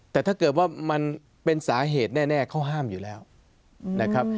แต่ถ้าเกิดว่ามันเป็นสาเหตุแน่เขาห้ามอยู่แล้วนะครับ